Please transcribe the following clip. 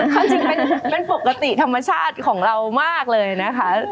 ความจริงเป็นปกติธรรมชาติของเรามากเลยนะคะ